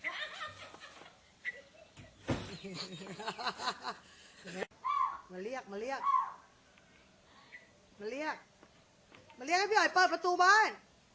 มาเรียกมาเรียกมาเรียกมาเรียกให้พี่อ๋อยเปิดประตูบ้าน